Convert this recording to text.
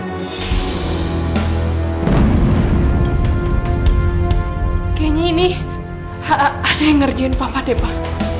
kayaknya ini ada yang ngerjain papa deh pak